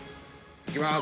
いきます。